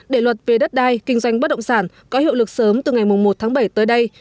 để luật về đất đai kinh doanh bất động sản có hiệu lực sớm từ ngày một tháng bảy tới đây